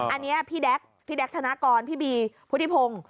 อันนี้พี่แก๊กพี่แก๊กธนากรพี่บีพุทธิพงศ์